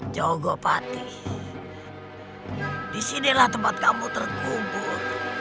jogopati disinilah tempat kamu terkubur